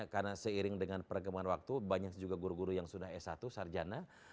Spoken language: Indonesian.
karena seiring dengan perkembangan waktu banyak juga guru guru yang sudah s satu sarjana